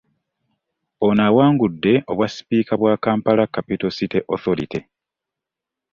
Ono awangudde obwa sipiika bwa Kampala Capital City Authority.